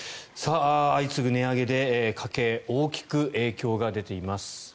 相次ぐ値上げで家計大きく影響が出ています。